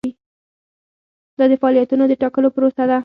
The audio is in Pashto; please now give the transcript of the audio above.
دا د فعالیتونو د ټاکلو پروسه ده.